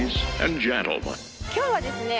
今日はですね